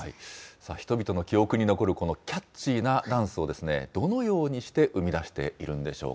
人々の記憶に残るこのキャッチーなダンスを、どのようにして生み出しているんでしょうか。